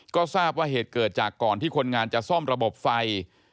ก็ทราบว่าเหตุเกิดจากก่อนที่คนงานจะซ่อมระบบไฟ